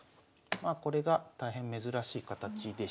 まあこれが大変珍しい形でしょうか。